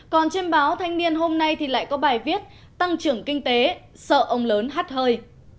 còn trên báo thanh niên hôm nay thì lại có bài viết tăng trưởng kinh tế sợ ông lớn hát hơi